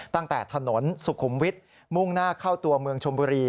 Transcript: ตั้งแต่ถนนสุขุมวิทย์มุ่งหน้าเข้าตัวเมืองชมบุรี